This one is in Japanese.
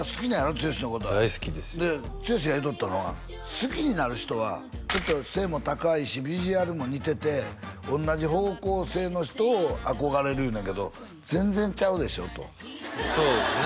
剛のことが大好きですで剛が言うとったのは好きになる人はちょっと背も高いしビジュアルも似てて同じ方向性の人を憧れる言うねんけど全然ちゃうでしょとそうですね